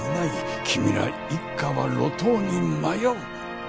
君ら一家は路頭に迷う。